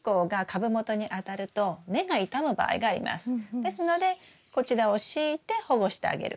ですのでこちらを敷いて保護してあげる。